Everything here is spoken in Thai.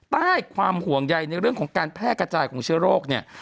ใต้ความห่วงใยในเรื่องของการแพร่กระจายของเชื้อโรคเนี่ย